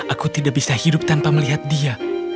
aku tidak bisa hidup tanpa melihat dia